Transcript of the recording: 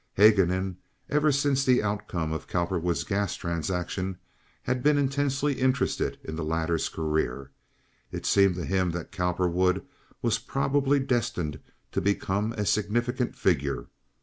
Haguenin, ever since the outcome of Cowperwood's gas transaction, had been intensely interested in the latter's career. It seemed to him that Cowperwood was probably destined to become a significant figure.